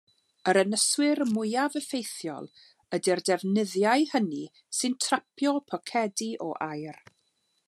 Yr ynyswyr mwyaf effeithiol ydy'r defnyddiau hynny sy'n trapio pocedi o aer.